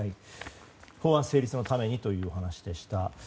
法案成立のためにという話でした。